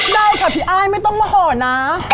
ได้ค่ะพี่อ้ายไม่ต้องมาห่อนะ